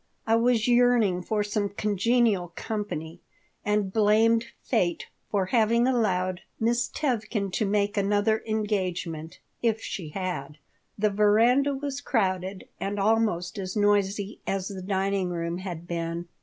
I was yearning for some congenial company, and blamed fate for having allowed Miss Tevkin to make another engagement if she had The veranda was crowded and almost as noisy as the dining room had been.